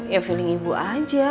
ya feeling ibu aja